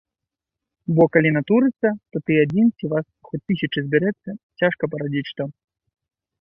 Бо калі натурыцца, то ты адзін ці вас хоць тысяча збярэцца, цяжка парадзіць што.